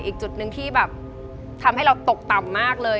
อีกจุดหนึ่งที่แบบทำให้เราตกต่ำมากเลย